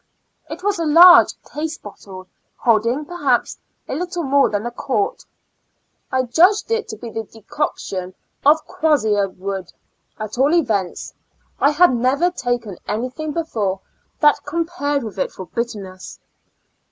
It was a large case bottle, holding, per haps, a little more than a quart. I judged it to be the decoction of quassia wood; at all events, I had never taken anything before that compared with it for bitterness.